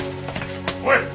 おい！